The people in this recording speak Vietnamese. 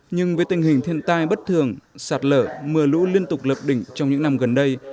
nhưng với tình hình thiên tai bất thường sạt lở mưa lũ liên tục lập đỉnh trong những năm gần đây